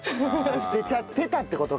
捨てちゃってた。